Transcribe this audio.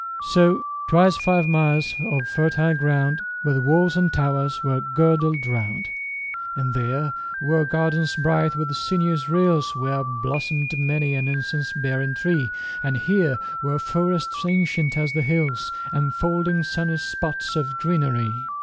5 So twice five miles of fertile ground With walls and towers were girdled round: And there were gardens bright with sinuous rills Where blossom'd many an incense bearing tree; And here were forests ancient as the hills, 10 Enfolding sunny spots of greenery.